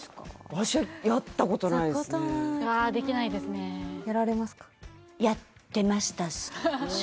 私はやったことないですねああできないですねやられますか？